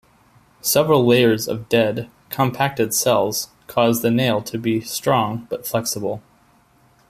Several layers of dead, compacted cells cause the nail to be strong but flexible.